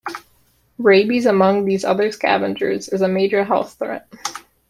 Rabies among these other scavengers is a major health threat.